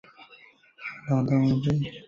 朗丹韦。